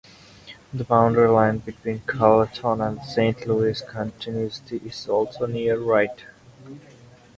The boundary line between Carlton and Saint Louis counties is also near Wright.